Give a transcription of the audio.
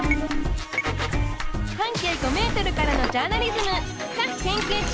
半径５メートルからのジャーナリズム「不可避研究中」。